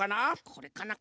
これかな？